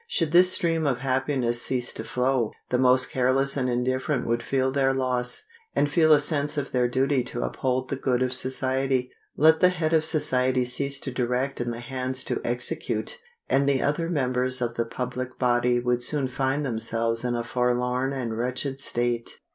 Should this stream of happiness cease to flow, the most careless and indifferent would feel their loss, and feel a sense of their duty to uphold the good of society. Let the head of society cease to direct and the hands to execute, and the other members of the public body would soon find themselves in a forlorn and wretched state.